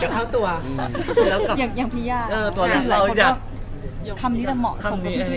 คำนี้ว่าเหมาะกับผู้ที่สุด